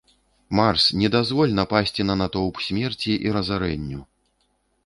Марс, не дазволь напасці на натоўп смерці і разарэнню.